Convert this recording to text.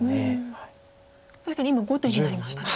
確かに今５手になりましたね。